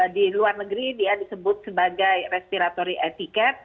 di luar negeri dia disebut sebagai respiratory etiquette